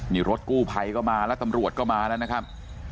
นี่รถกู้ภัยก็มาแล้วตำรวจก็มาแล้วนะครับ